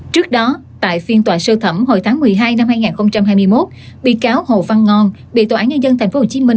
trước đó tại phiên tòa sơ thẩm hồi tháng một mươi hai năm hai nghìn hai mươi một bị cáo hồ văn ngon bị tòa án nhân dân tp hcm